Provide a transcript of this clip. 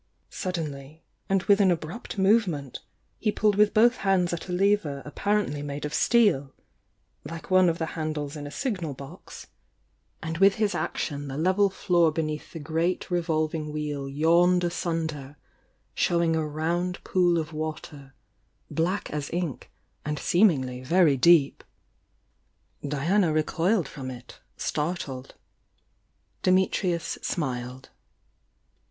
Sud denly, and with an abrupt movement, he pulled with both hands at a lever apparently made of steel,— like one of the handles in a signal box,— and with 134 THE YOUNG DIANA 133 his action the level floor beneath the great revolving wheel yawned i sunder, showing a round pool of water, black as ink and seemingly very deep. Diana recoiled from it, startled. Dimitrius smiled.